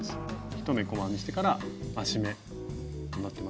１目細編みしてから増し目になってます。